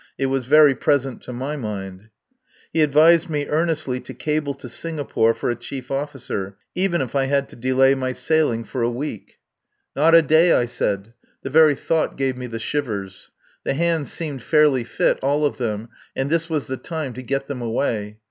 It was very present to my mind. He advised me earnestly to cable to Singapore for a chief officer, even if I had to delay my sailing for a week. "Never," I said. The very thought gave me the shivers. The hands seemed fairly fit, all of them, and this was the time to get them away.